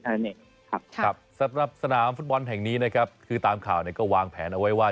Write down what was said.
อันนี้ครับสำหรับสนามฟุตบอลแห่งนี้นะครับคือตามข่าวเนี่ยก็วางแผนเอาไว้ว่า